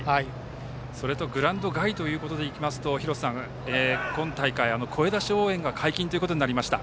それと、グラウンド外というところでいきますと廣瀬さん、今大会は声出し応援が解禁となりました。